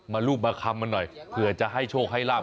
รูปมาคำมันหน่อยเผื่อจะให้โชคให้ลาบ